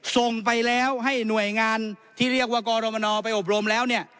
ส่งไปแล้วให้หน่วยงานที่เรียกว่ากรมนไปอบรมแล้วเนี่ย